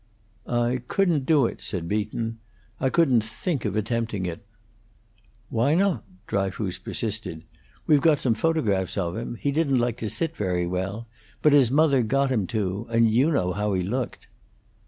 "I couldn't do it," said Beaton. "I couldn't think of attempting it." "Why not?" Dryfoos persisted. "We got some photographs of him; he didn't like to sit very well; but his mother got him to; and you know how he looked."